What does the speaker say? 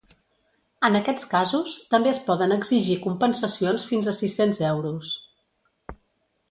En aquests casos, també es poden exigir compensacions fins a sis-cents euros.